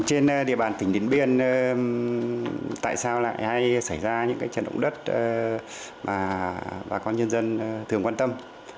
trên địa bàn tỉnh điện biên tại sao lại hay xảy ra những trận động đất mà bà con nhân dân thường quan tâm